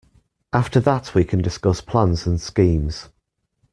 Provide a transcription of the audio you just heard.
After that we can discuss plans and schemes.